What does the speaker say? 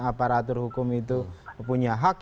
aparatur hukum itu punya hak